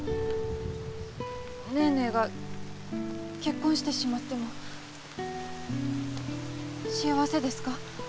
ネーネーが結婚してしまっても幸せですか？